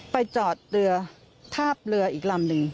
ไปจอดเรือทาบเรืออีกลำหนึ่ง